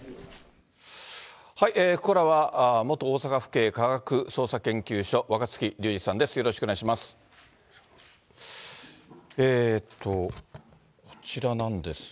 ここからは、元大阪府警科学捜索研究所、若槻龍児さんです。